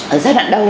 ở giai đoạn đầu